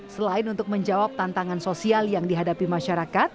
selain untuk menjawab tantangan sosial yang dihadapi masyarakat